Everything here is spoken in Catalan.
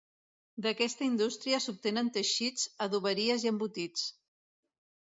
D'aquesta indústria s'obtenen teixits, adoberies i embotits.